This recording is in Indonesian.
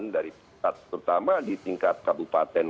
dari pusat terutama di tingkat kabupaten